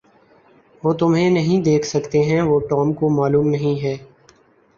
وہ تمہیں نہیں دیکھ سکتے ہیں وہ ٹام کو معلوم نہیں ہے